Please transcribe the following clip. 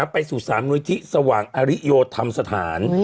ไปสู่สามนุยธิสว่างอริโยธรรมสถาน